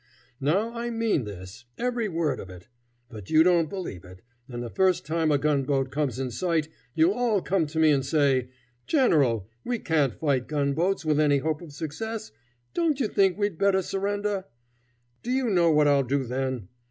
Now I mean this, every word of it. But you don't believe it, and the first time a gun boat comes in sight you'll all come to me and say, 'General, we can't fight gun boats with any hope of success, don't you think we'd better surrender?' Do you know what I'll do then?